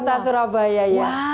cctv kota surabaya ya